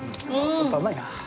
やっぱうまいな。